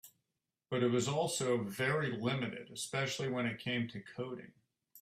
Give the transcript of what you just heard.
But it was also very limited, especially when it came to coding.